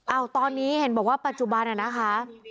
ตอนนี้เห็นบอกว่าปัจจุบันน่ะนะคะ